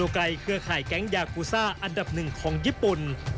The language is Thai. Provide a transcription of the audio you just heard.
แก๊งยากูซ่าอันดับหนึ่งของญี่ปุ่น